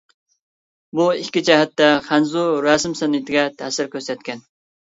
بۇ ئىككى جەھەتتە خەنزۇ رەسىم سەنئىتىگە تەسىر كۆرسەتكەن.